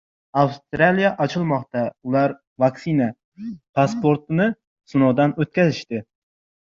Avstraliya ochilmoqda, ular vaksina pasportini sinovdan o‘tkazadi